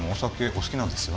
お好きなんですよね？